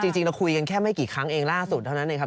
จริงเราคุยกันแค่ไม่กี่ครั้งเองล่าสุดเท่านั้นเองครับ